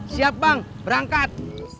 siap bang berangkat